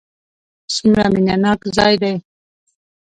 څومره مینه ناک ځای دی.